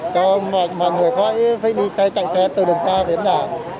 nhưng mà người khoái phải đi xe chạy xe từ đường xa đến nhà